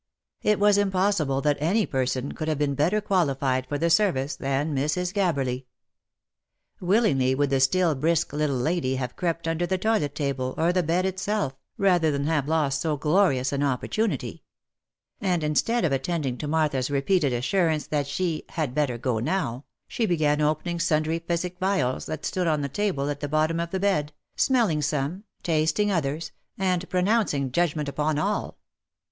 It was impos sible that any person could have been better qualified for the service than Mrs. Gabberly. Willingly would the still brisk little lady have crept under the toilet table, or the bed itself, rather than have lost so glorious an opportunity ; and instead of attending to Martha's repeated assurance that she "had better go now," she began opening sundry physic vials that stood on a table at the bottom of the bed, smelling some, tasting others, and pronouncing judgment upon all.